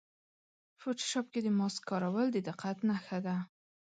فوټوشاپ کې د ماسک کارول د دقت نښه ده.